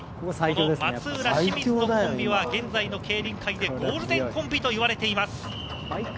松浦・清水のコンビは現在の競輪界でコールデンコンビと言われています。